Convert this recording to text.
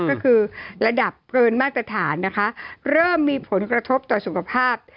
ก็คือระดับเกินมาตรฐานนะคะเริ่มมีผลกระทบต่อสุขภาพ